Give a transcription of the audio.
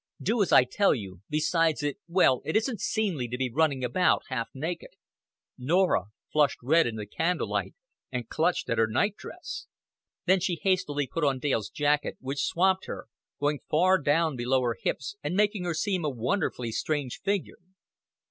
"Do as I tell you. Besides, it well, it isn't seemly to be running about half naked." Norah flushed red in the candle light, and clutched at her night dress. Then she hastily put on Dale's jacket, which swamped her, going far down below her hips and making her seem a wonderfully strange figure.